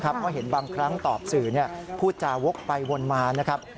เพราะเห็นบางครั้งตอบสื่อพูดจาวกไปวนมานะครับ